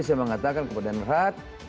saya mengatakan kepada nerat